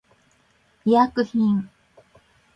医薬品